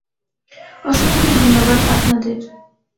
অসংখ্য ধন্যবাদ আপনাদের!